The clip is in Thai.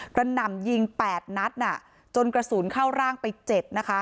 หน่ำยิง๘นัดจนกระสุนเข้าร่างไป๗นะคะ